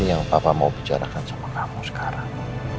yang papa mau bicarakan sama kamu sekarang